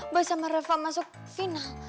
boy sama reva masuk final